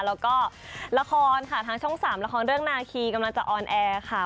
แล้วก็ละครค่ะทางช่อง๓ละครเรื่องนาคีกำลังจะออนแอร์ค่ะ